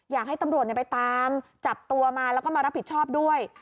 อยากให้ตำรวจไปตามจับตัวมาแล้วก็มารับผิดชอบด้วย